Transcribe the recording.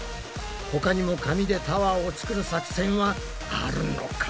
他にも紙でタワーを作る作戦はあるのか？